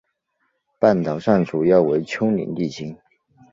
半岛上主要为丘陵地形。